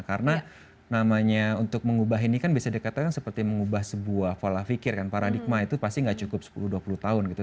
karena namanya untuk mengubah ini kan bisa dikatakan seperti mengubah sebuah pola fikir kan paradigma itu pasti gak cukup sepuluh dua puluh tahun gitu